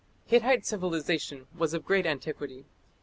Hittite civilization was of great antiquity.